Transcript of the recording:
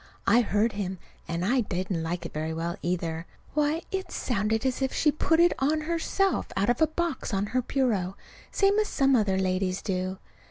I heard him. And I didn't like it very well, either. Why, it sounded as if she put it on herself out of a box on her bureau, same as some other ladies do!